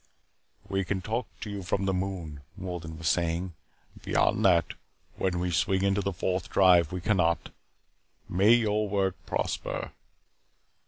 "We can talk to you from the moon," Wolden was saying. "Beyond that, when we swing into the Fourth Drive, we cannot. May your work prosper."